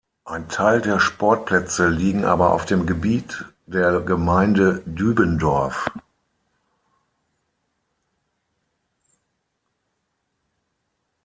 Ein Teil der Sportplätze liegen aber auf dem Gebiet der Gemeinde Dübendorf.